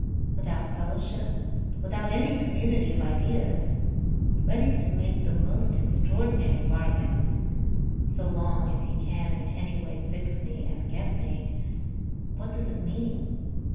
Without fellowship. Without any community of ideas. Ready to make the most extraordinary bargains. So long as he can in any way fix me and get me. What does it mean?